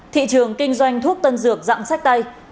thị trường kinh doanh thuốc tân dược dạng sách tay